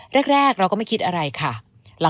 แรกเราก็ไม่คิดอะไรค่ะ